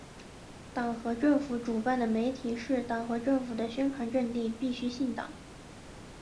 党和政府主办的媒体是党和政府的宣传阵地，必须姓党。